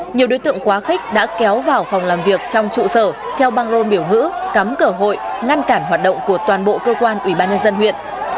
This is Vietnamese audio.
nhiều đối tượng quá khích đã kéo vào phòng làm việc trong trụ sở treo băng rôn biểu ngữ cắm cửa hội ngăn cản hoạt động của toàn bộ cơ quan ủy ban nhân dân huyện